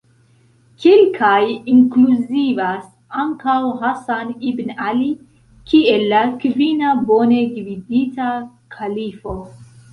Kelkaj inkluzivas ankaŭ Hasan ibn Ali kiel la kvina bone gvidita kalifo.